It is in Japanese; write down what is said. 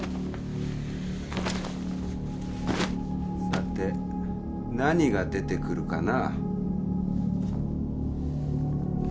さて何が出てくるかな。